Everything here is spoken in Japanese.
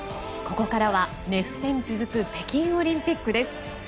ここからは熱戦続く北京オリンピックです。